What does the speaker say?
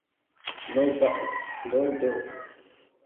Nova eksplodo.